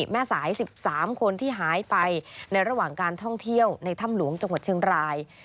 แม่สาย๑๓คนที่หายไปในระหว่างการท่องเที่ยวในถ้ำหลวงจังหวัดเชียงราย